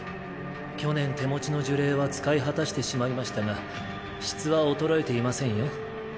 去年手持ちの呪霊は使い果たしてしまいましたが質は衰えていませんよ。